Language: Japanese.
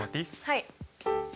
はい。